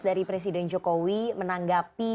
dari presiden jokowi menanggapi